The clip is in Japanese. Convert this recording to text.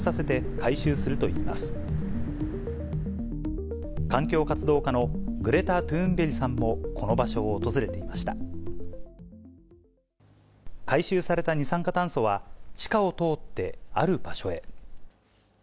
回収された二酸化炭素は、地下を通ってある場所へ。